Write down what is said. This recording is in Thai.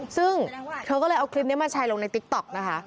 ซึ่งเธอก็เลยเอาคลิปนี้มาแชร์ลงในติ๊กต๊อกนะคะ